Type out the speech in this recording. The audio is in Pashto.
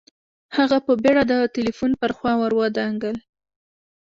هغه په بېړه د ټلیفون پر خوا را ودانګل